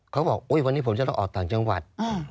เขาบอกอุ๊ยวันนี้ผมจะต้องออกต่างจังหวัด